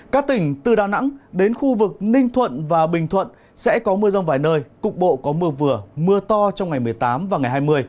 các tỉnh từ đà nẵng đến khu vực ninh thuận và bình thuận sẽ có mưa rông vài nơi cục bộ có mưa vừa mưa to trong ngày một mươi tám và ngày hai mươi